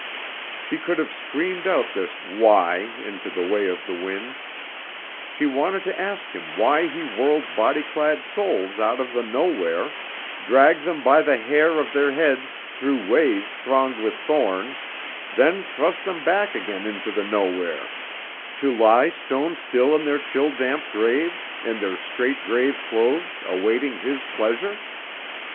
She could have screamed out this "Why" into the way of the wind. She wanted to ask Him why he whirled body clad souls out of the Nowhere, dragged them by the hair of their heads through ways thronged with thorns, then thrust them back again into the Nowhere, to lie stone still in their chill damp graves, in their straight grave clothes, awaiting His pleasure?